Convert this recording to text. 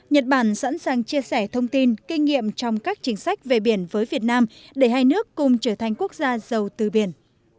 nhật bản sẵn sàng chia sẻ thông tin kinh nghiệm trong các chính sách về biển với việt nam để hai nước cùng trở thành quốc gia giàu từ biển